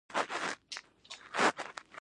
پوره پنځوس افغانۍ یې جیب ته کړې.